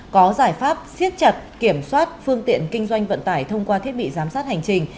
có giải pháp siết chặt kiểm soát phương tiện kinh doanh vận tải thông qua thiết bị giám sát hành trình